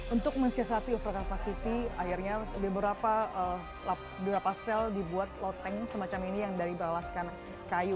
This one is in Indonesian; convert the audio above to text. untuk mensiasati over capacity akhirnya beberapa sel dibuat loteng semacam ini yang dari beralaskan kayu